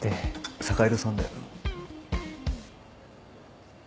坂井戸さんだよ。